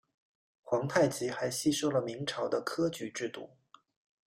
皇太极还吸收了明朝的科举制度。